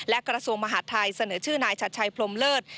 และกระทรวงมหาดไทยเสนอชื่อนายชัดชัยพรมเลิศ